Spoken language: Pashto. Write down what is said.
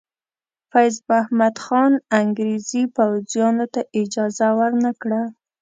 فیض محمد خان انګریزي پوځیانو ته اجازه ور نه کړه.